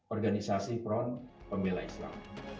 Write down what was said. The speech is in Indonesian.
organisasi front pembelai islam